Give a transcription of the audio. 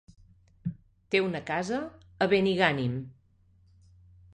Té una casa a Benigànim.